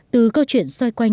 từ câu chuyện xoay quanh